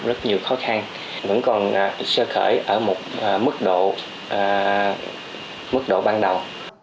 rất nhiều khó khăn vẫn còn sơ khởi ở một mức độ ban đầu